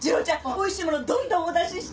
おいしいものどんどんお出しして！